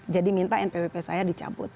jadi minta npwp saya dicabut